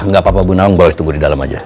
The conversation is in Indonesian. nggak apa apa bu naung boleh tunggu di dalam aja